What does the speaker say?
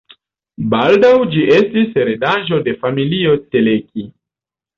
Baldaŭ ĝi estis heredaĵo de familio Teleki.